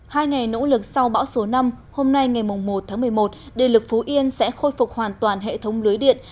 hai ngày nỗ lực sau bão số năm hôm nay ngày một tháng một mươi một đề lực phú yên sẽ khôi phục hoàn toàn hệ thống lưới điện